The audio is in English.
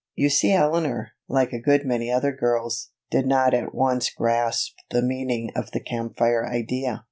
You see Eleanor, like a good many other girls, did not at once grasp the meaning of the Camp Fire idea.